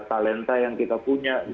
talenta yang kita punya